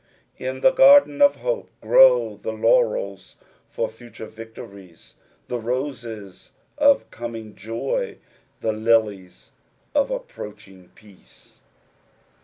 In the garden of hope grow the laurels for future victories, the roses of comiog joy, the lilies of approaching peace.